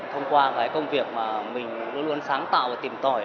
thông qua cái công việc mà mình luôn luôn sáng tạo và tìm tỏi